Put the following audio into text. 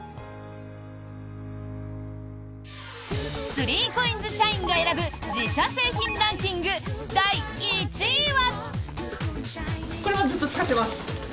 ３ＣＯＩＮＳ社員が選ぶ自社製品ランキング、第１位は。